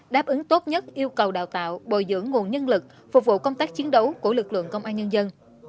đáp ứng tốt nhất yêu cầu đào tạo bồi dưỡng nguồn nhân lực phục vụ công tác chiến đấu của lực lượng công an nhân dân